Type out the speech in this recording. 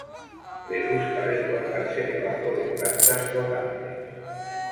Les gusta resguardarse debajo de plantas flotantes.